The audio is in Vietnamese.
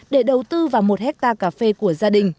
để đầu tư vào một hectare cà phê của gia đình